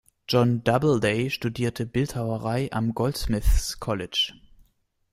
John Doubleday studierte Bildhauerei am Goldsmiths College.